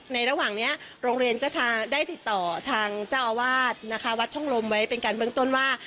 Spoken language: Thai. ระหว่างนี้โรงเรียนก็ได้ติดต่อทางเจ้าอาวาสนะคะวัดช่องลมไว้เป็นการเบื้องต้นว่า